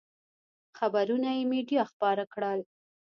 خبرونه یې مېډیا خپاره کړل.